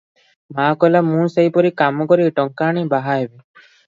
ମା କହିଲା, ମୁଁ ସେଇପରି କାମ କରି ଟଙ୍କା ଆଣି ବାହା ହେବି ।